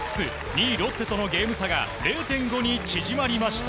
２位ロッテとのゲーム差が０．５に縮まりました。